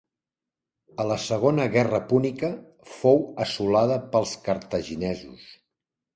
A la Segona Guerra Púnica fou assolada pels cartaginesos.